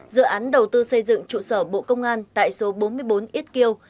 dự án đầu tư xây dựng trụ sở bộ công an tại số bốn mươi bốn yết kiêu